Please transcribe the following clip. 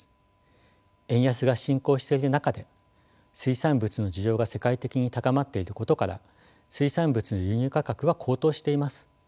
円安が進行している中で水産物の需要が世界的に高まっていることから水産物の輸入価格は高騰しています。